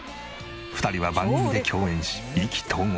２人は番組で共演し意気投合。